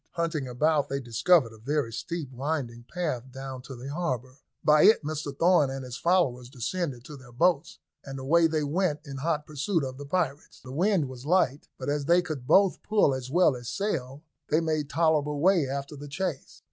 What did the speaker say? Hunting about they discovered a very steep winding path down to the harbour. By it Mr Thorn and his followers descended to their boats, and away they went in hot pursuit of the pirates. The wind was light, but as they could both pull as well as sail, they made tolerable way after the chase.